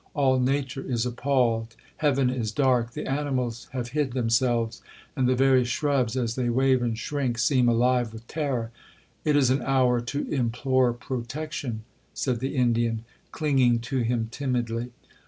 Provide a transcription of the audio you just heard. —all nature is appalled—heaven is dark—the animals have hid themselves—and the very shrubs, as they wave and shrink, seem alive with terror.'—'It is an hour to implore protection,' said the Indian, clinging to him timidly.